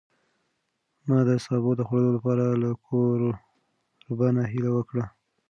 ما د سابو د خوړلو لپاره له کوربه نه هیله وکړه.